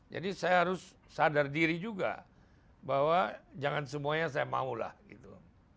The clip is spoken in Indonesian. jadi saya harus sadar diri juga bahwa jangan semuanya saya maulah gitu